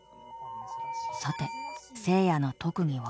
さてせいやの特技は。